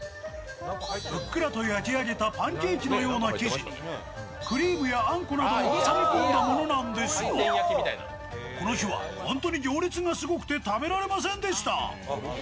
ふっくらと焼き上げたパンケーキのような生地にクリームやあんこなどを挟み込んだものなんですが、この日は本当に行列がすごくて食べられませんでした。